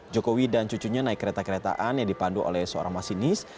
jokowi dan cucunya naik kereta keretaan yang dipandu oleh seorang masinis